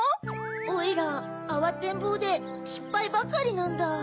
おいらあわてんぼうでしっぱいばかりなんだ。